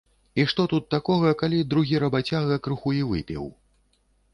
І што тут такога, калі другі рабацяга крыху і выпіў?